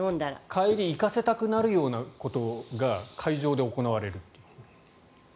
帰り行かせたくなるようなことが会場で行われると。